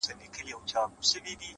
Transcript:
• هغه کابل د ښو زلمیو وطن,